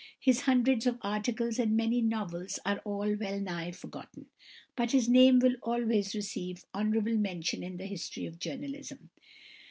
His hundreds of articles and many novels are all well nigh forgotten, but his name will always receive honourable mention in the history of journalism.